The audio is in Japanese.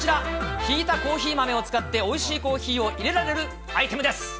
ひいたコーヒー豆を使っておいしいコーヒーをいれられるアイテムです。